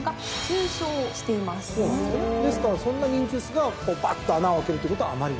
ですからそんな人気薄がこうばっと穴を開けるということはあまりない。